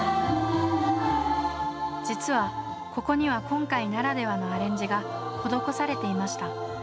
実はここには今回ならではのアレンジが施されていました。